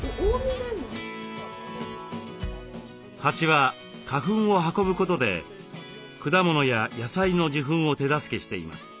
蜂は花粉を運ぶことで果物や野菜の受粉を手助けしています。